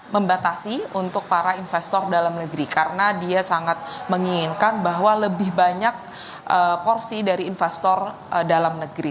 membatasi untuk para investor dalam negeri karena dia sangat menginginkan bahwa lebih banyak porsi dari investor dalam negeri